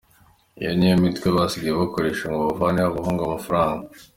Iyi niyo mitwe basigaye bakoresha ngo bavaneho abahungu amafaranga:.